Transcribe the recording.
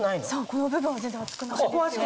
この部分は全然熱くないんですよ。